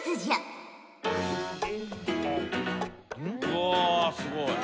うわすごい。